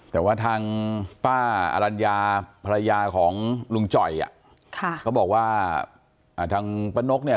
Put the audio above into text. แต่ว่าทางป้าอรัญญาภรรยาของลุงจ่อยเขาบอกว่าทางป้านกเนี่ย